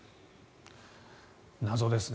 謎ですね。